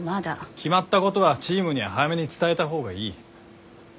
決まったことはチームには早めに伝えた方がいい。